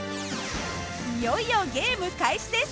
いよいよゲーム開始です。